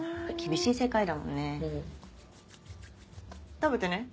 食べてね。